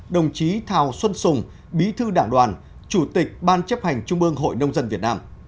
đồng chí thào xuân sùng bí thư đảng đoàn chủ tịch ban chấp hành trung ương hội nông dân việt nam